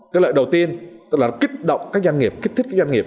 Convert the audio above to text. cái lợi đầu tiên tức là nó kích động các doanh nghiệp kích thích các doanh nghiệp